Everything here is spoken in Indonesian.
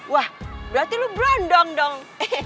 wah berarti lu brondong dong